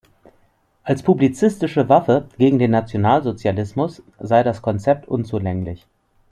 Als publizistische Waffe gegen den Nationalsozialismus sei das Konzept unzulänglich.